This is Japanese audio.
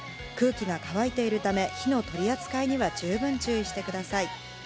空気が乾いているため、火の取り扱いには十分注意してください。